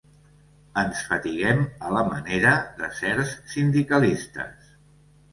Ens fatiguem a la manera de certs sindicalistes.